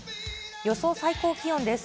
予想最高気温です。